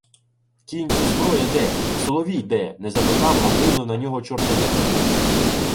— Кінь і зброя де? Соловій де? — не запитав, а гримнув на нього Чорнота.